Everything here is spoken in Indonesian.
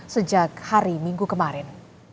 sejak hari minggu kemarin